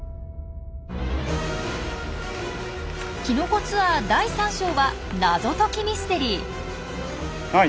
きのこ・ツアー第３章は謎解きミステリー！